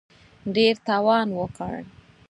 ډېر تاوان وکړ.